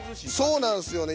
そうなんすよね。